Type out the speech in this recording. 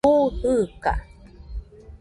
Bu jɨɨka